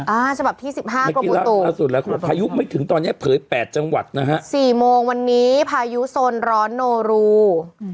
อ่าฉบับที่สิบห้ากระบุตุภายุไม่ถึงตอนนี้เผยแปดจังหวัดนะฮะสี่โมงวันนี้ภายุสนร้อนโนรูอืม